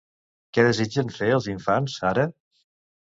Què desitgen fer els infants, ara?